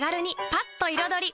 パッと彩り！